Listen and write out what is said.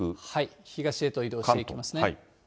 東へと移動していきますね。